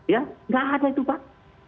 ya nggak ada itu pak